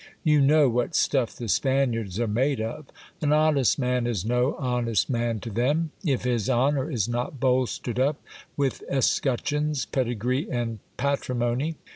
You know what stuff the Spaniards are made of; an honest man is no honest man to them, if his honour is not bolstered up with escutcheons, pedigree, and patri mony.